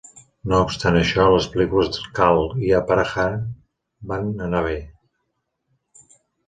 No obstant això, les pel·lícules Kaal i Apaharan van anar bé.